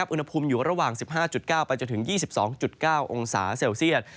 อุณหภูมิอยู่ระหว่าง๑๕๙ไปจนถึง๒๒๙องศาเซลเซียต